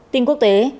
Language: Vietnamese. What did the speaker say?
tin quốc tế